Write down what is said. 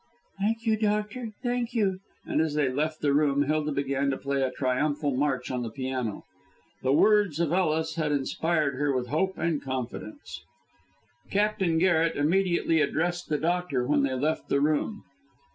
"Thank you, doctor, thank you," and as they left the room Hilda began to play a triumphal march on the piano. The words of Ellis had inspired her with hope and confidence. Captain Garret immediately addressed the doctor when they left the room.